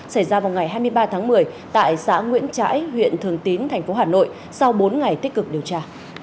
xảy ra vào ngày hai mươi ba tháng một mươi tại xã nguyễn trãi huyện thường tín thành phố hà nội sau bốn ngày tích cực điều tra